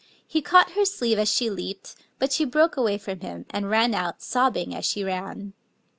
He caught her sleeve as she leaped; but she broke away from him, and ran out, sobbing as she ran.